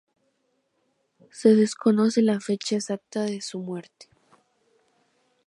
Se desconoce la fecha exacta de su muerte.